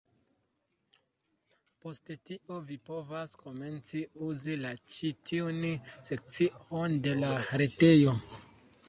Post tio vi povas komenci uzi la ĉi tiun sekcion de la retejo.